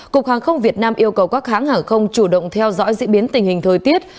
cục hàng không việt nam yêu cầu các hãng hàng không chủ động theo dõi diễn biến tình hình thời tiết